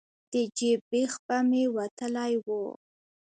د جیب بیخ به مې وتلی و.